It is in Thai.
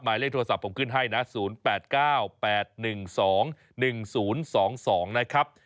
หมายเลขโทรศัพท์ผมขึ้นให้นะ๐๘๙๘๑๒๑๐๒๒นะครับ